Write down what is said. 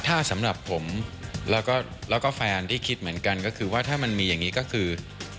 ถ้าสำหรับผมแล้วก็แฟนที่คิดเหมือนกันก็คือว่าถ้ามันมีอย่างนี้ก็คือ